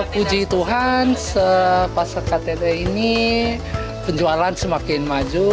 puji tuhan sepasang ktt ini penjualan semakin maju